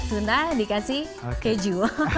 tuna dikasih keju